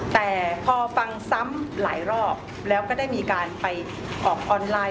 แต่พอฟังสำหรับก็มีการออกออนไลน์